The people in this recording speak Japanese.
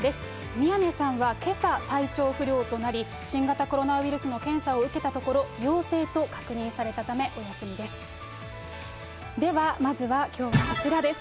宮根さんは、けさ体調不良となり、新型コロナウイルスの検査を受けたところ、陽性と確認されたため、お休みです。